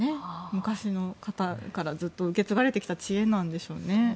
昔の方からずっと受け継がれてきた知恵なんでしょうね。